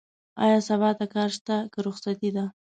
ايا سبا ته کار شته؟ که رخصتي ده؟